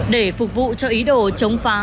để phục vụ cho ý đồ chống phá